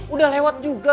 udah lewat juga